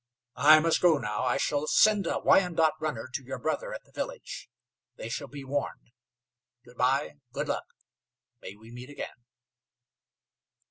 "I must go now. I shall send a Wyandot runner to your brother at the village. They shall be warned. Good by. Good luck. May we meet again."